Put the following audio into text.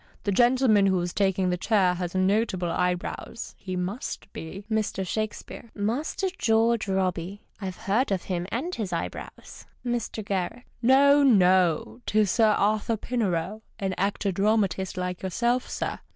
The gentleman who is taking the chair has notable eyebrows ; he must be Mr. Shakespeare. — Master George Robey. I've heard of him and his eyebrows. Mr. G. — No, no, 'tis Sir Arthur Pinero, an actor dramatist like yourself, sir.